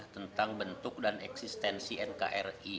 tentang bentuk dan eksistensi nkri